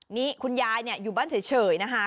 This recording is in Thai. นี่คุณยายอยู่บ้านเฉยนะคะ